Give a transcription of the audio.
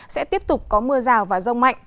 sẽ tiếp tục có mưa rào và rông mạnh